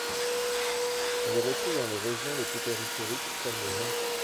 On les retrouve dans les régions les plus périphériques comme les mains.